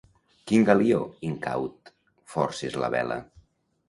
Quin galió, incaut, forces la vela?